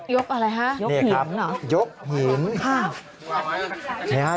ยกอะไรฮะยกหิน